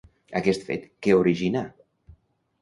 Aquest fet, què originà?